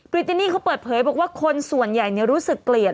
ริตินี่เขาเปิดเผยบอกว่าคนส่วนใหญ่รู้สึกเกลียด